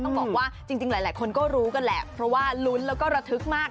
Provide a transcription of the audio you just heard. ต้องบอกว่าจริงหลายคนก็รู้กันแหละเพราะว่าลุ้นแล้วก็ระทึกมาก